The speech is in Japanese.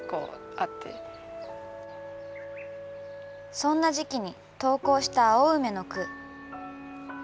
そんな時期に投稿した青梅の句。